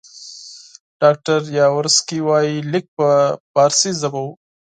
ډاکټر یاورسکي وایي لیک په فارسي ژبه وو.